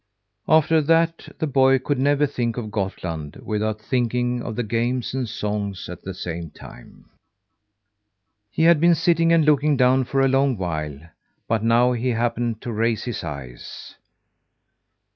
After that the boy could never think of Gottland without thinking of the games and songs at the same time. He had been sitting and looking down for a long while; but now he happened to raise his eyes.